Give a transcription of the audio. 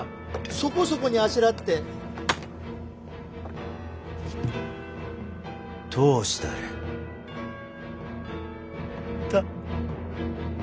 そこそこにあしらって通したれと。